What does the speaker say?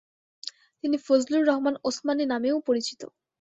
তিনি ফজলুর রহমান উসমানি নামেও পরিচিত।